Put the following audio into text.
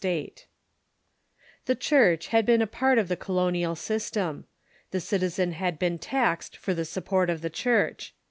1891).] The Church liacl been a part of the colonial system. The citizen had been taxed for the support of the Church.